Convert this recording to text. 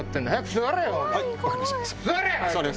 座れ！